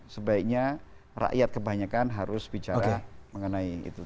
sebaiknya rakyat kebanyakan harus bicara mengenai itu